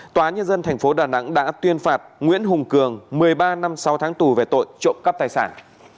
tòa nhân dân tp đà nẵng đã tuyên phạt nguyễn hùng cường một mươi ba năm sáu tháng tù về tội trộm cắp tài sản